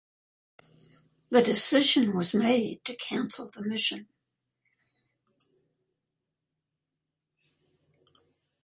The decision was made to cancel the mission.